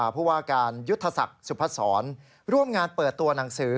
ผู้ว่าการยุทธศักดิ์สุพศรร่วมงานเปิดตัวหนังสือ